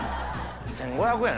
１５００円？